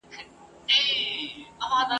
شپه که هر څومره اوږده سي عاقبت به سبا کېږي !.